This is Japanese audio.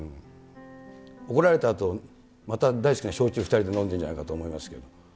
怒られたあと、また大好きな焼酎２人で飲んでんじゃないかと思いますけれども。